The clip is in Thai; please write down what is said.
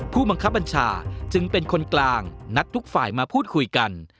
ผู้บังคับบัญชาจึงเป็นคนกลางนัดทุกฝ่ายมาพูดคุยกัน